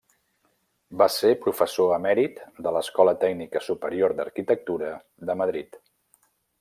Va ser professor emèrit de l'Escola Tècnica Superior d'Arquitectura de Madrid.